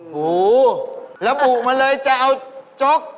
ทรมานที่สุด